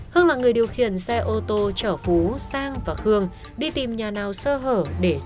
hưng là người điều khiển xe ô tô chở phú sang và khương đi tìm nhà nào sơ hở để